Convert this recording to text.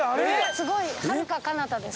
すごいはるかかなたです。